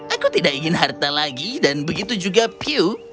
aku tidak ingin harta lagi dan begitu juga pie